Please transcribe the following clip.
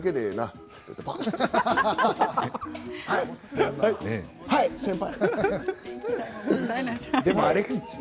はい、先輩。